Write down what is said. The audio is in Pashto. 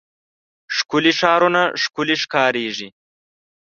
ښکلي ښارونه ښکلي ښکاريږي.